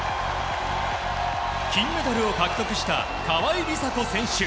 金メダルを獲得した川井梨紗子選手。